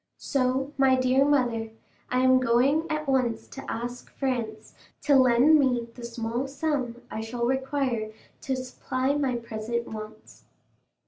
So, my dear mother, I am going at once to ask Franz to lend me the small sum I shall require to supply my present wants."